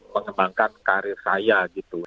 mengembangkan karir saya gitu